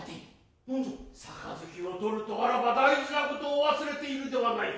盃を取るとあらば大事なことを忘れているではないか。